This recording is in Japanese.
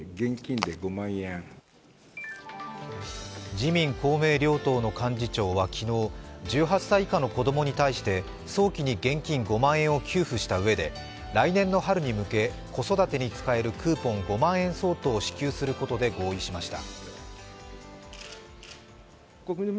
自民・公明両党の幹事長は昨日、１８歳以下の子供に対して早期に現金５万円を給付したうえで来年の春に向け、子育てに使えるクーポン５万円相当を支給することで合意しました。